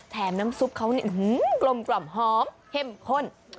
แถมน้ำซุปเขาเนี่ยกลมหอมเท่มข้น